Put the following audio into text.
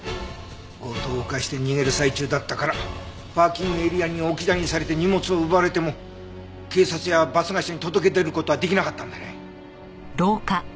強盗を犯して逃げる最中だったからパーキングエリアに置き去りにされて荷物を奪われても警察やバス会社に届け出る事は出来なかったんだね。